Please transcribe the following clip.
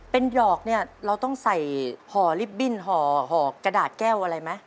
เป็นดอกเนี่ยเราต้องใส่ห่อลิฟตบิ้นห่อกระดาษแก้วอะไรไหม